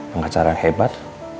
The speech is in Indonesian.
pengacara yang hebat